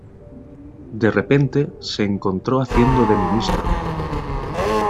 De repente se encontró haciendo de ministro.